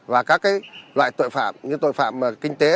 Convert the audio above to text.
và các loại tội phạm như tội phạm kinh tế